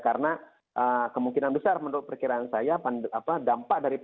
karena kemungkinan besar menurut perkiraan saya dampak dari pandemi ini akan berakhir